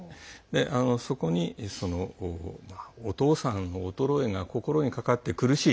そこにお父さんの衰えが心にかかって苦しい。